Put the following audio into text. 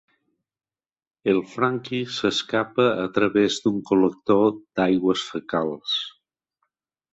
El Frankie s'escapa a través d'un col·lector d'aigües fecals.